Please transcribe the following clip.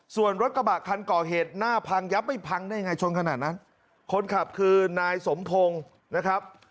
ส่วนรถกระบะคันก่อเหตุหน้าพังยับไม่พังได้ยังไงชนขนาดนั้นคนขับคือนายสมพงศ์นะครับ